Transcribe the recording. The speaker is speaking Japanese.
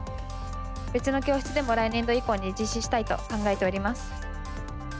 別の教室でも来年度以降に実施したいと考えております。